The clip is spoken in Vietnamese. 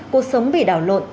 cuộc sống bị đảo lộn